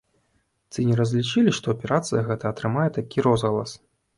Ці не разлічылі, што аперацыя гэта атрымае такі розгалас?